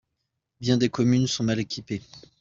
Bien des communes sont mal équipées.